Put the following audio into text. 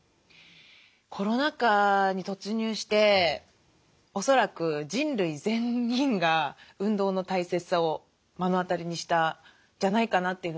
コロナ禍に突入しておそらく人類全員が運動の大切さを目の当たりにしたんじゃないかなというふうに。